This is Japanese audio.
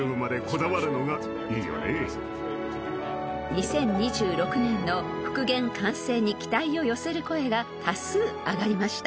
［２０２６年の復元完成に期待を寄せる声が多数上がりました］